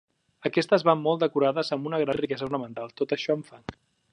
Aquestes van molt decorades amb una gran riquesa ornamental, tot això amb fang.